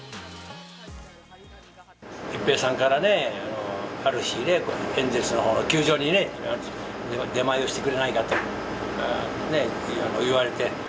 一平さんからね、ある日ね、エンゼルスのほうの球場にね、出前をしてくれないかと言われて。